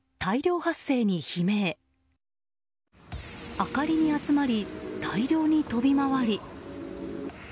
明かりに集まり大量に飛び回り